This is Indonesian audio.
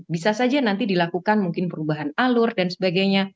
bisa saja nanti dilakukan mungkin perubahan alur dan sebagainya